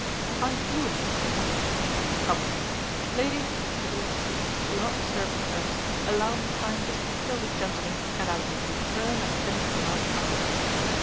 'I do insist upon it.' 'Come, then. Ladies,' said the officer, 'do not disturb yourselves; allow me time just to kill this gentleman, and I will return and finish the last couplet.